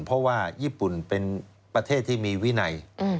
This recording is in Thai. เพราะว่าญี่ปุ่นเป็นประเทศที่มีวินัย